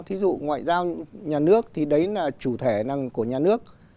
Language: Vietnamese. thí dụ ngoại giao nhà nước thì đấy là chủ thể của nhà nước